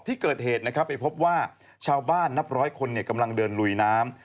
ที่เกิดเหตุนะครับไปพบว่าชาวบ้านนับร้อยคนกำลังเดินลุยน้ำ